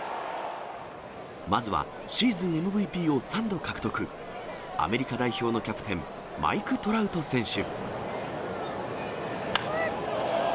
まずはシーズンＭＶＰを３度獲得、アメリカ代表のキャプテン、マイク・トラウト選手。